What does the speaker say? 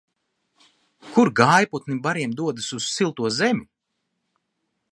Kur gājputni bariem dodas un silto zemi?